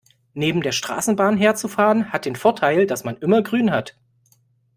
Neben der Straßenbahn herzufahren, hat den Vorteil, dass man immer grün hat.